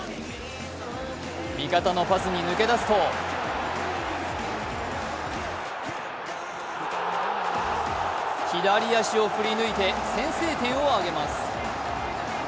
味方のパスに抜け出すと左足を振り抜いて先制点を挙げます。